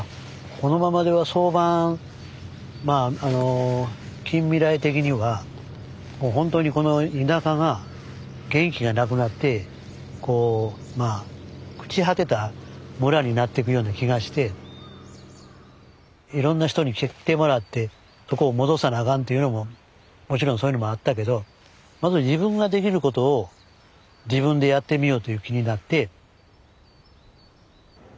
このままでは早晩近未来的にはほんとにこの田舎が元気がなくなって朽ち果てた村になってくような気がしていろんな人に来てもらってそこを戻さなあかんというのももちろんそういうのもあったけどまずは自分ができることを自分でやってみようという気になって。